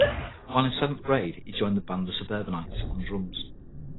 While in seventh grade, he joined the band The Suburbanites on drums.